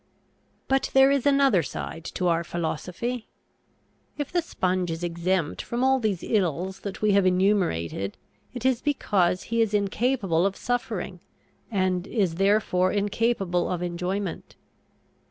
But there is another side to our philosophy. If the sponge is exempt from all these ills that we have enumerated it is because he is incapable of suffering and is therefore incapable of enjoyment.